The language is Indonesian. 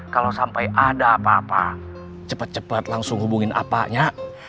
kalau sampai ada apa apa cepat langsung hubungin ya